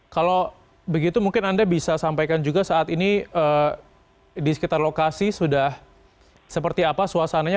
kalau begitu mungkin anda bisa sampaikan juga saat ini di sekitar lokasi sudah seperti apa suasananya